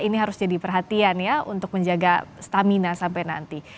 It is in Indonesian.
ini harus jadi perhatian ya untuk menjaga stamina sampai nanti